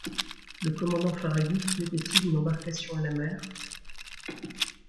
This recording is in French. Le commandant Farragut mettait-il une embarcation à la mer ?